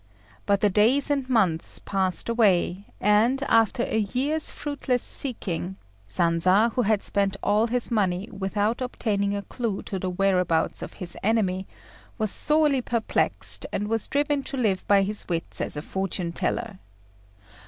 But the days and months passed away, and, after a year's fruitless seeking, Sanza, who had spent all his money without obtaining a clue to the whereabouts of his enemy, was sorely perplexed, and was driven to live by his wits as a fortune teller.